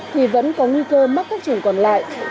thì vẫn có nguy cơ mắc các chủng còn lại